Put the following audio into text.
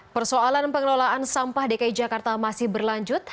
persoalan pengelolaan sampah dki jakarta masih berlanjut